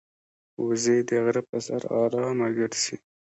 وزې د غره پر سر آرامه ګرځي